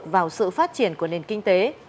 vào sự phát triển của nền kinh tế